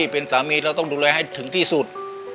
เป็นสามีเราต้องดูแลให้ถึงที่สุด